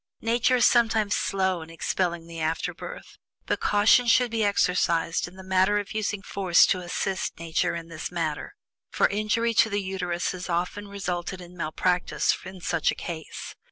Nature is sometimes slow in expelling the afterbirth, but caution should be exercised in the matter of using force to assist Nature in this matter, for injury to the Uterus has often resulted from malpractice in such a case.